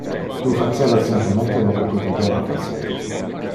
Tu faceva simplemente lo que tu debeva facer.